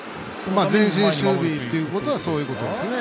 前進守備ということはそういうことですね。